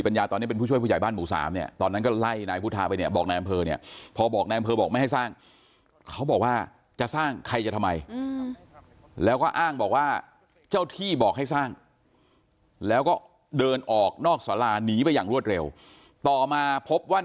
แล้วก็เดินนอกอากาศนอกศาลาหนีไปอย่างรวดเร็ว